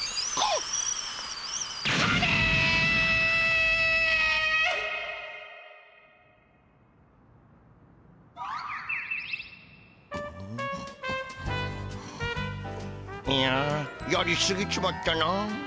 いややりすぎちまったな。